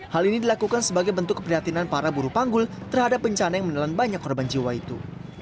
hal ini dilakukan sebagai bentuk keprihatinan para buru panggul terhadap bencana yang menelan banyak korban jiwa itu